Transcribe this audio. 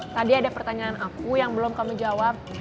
tadi ada pertanyaan aku yang belum kami jawab